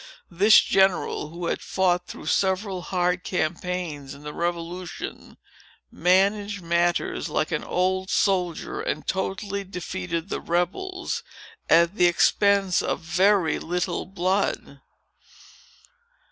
This general, who had fought through several hard campaigns in the Revolution, managed matters like an old soldier, and totally defeated the rebels, at the expense of very little blood.